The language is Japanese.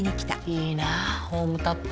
いいなホームタップ。